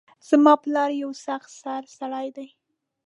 زما پلار یو سخت سرۍ سړۍ ده